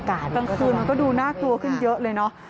กลางคืนมันก็ดูน่ากลัวขึ้นเยอะเลยเนอะ